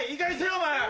お前。